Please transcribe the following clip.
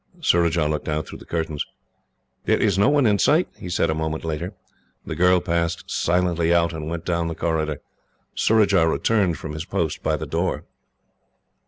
Surajah looked out through the curtains. "There is no one in sight," he said, a moment later. The girl passed silently out, and went down the corridor. Surajah returned from his post by the door.